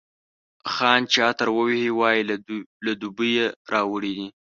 خان چي عطر ووهي، وايي له دوبۍ یې راوړی دی.